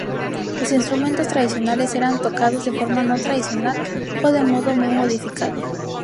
Los instrumentos tradicionales eran tocados de forma no tradicional o de modo muy modificado.